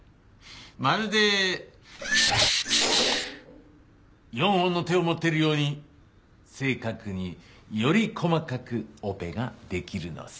まるでキシッキシッキシッキシッ４本の手を持っているように正確により細かくオペができるのさ。